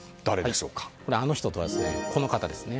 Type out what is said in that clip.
あの人とは、この方です。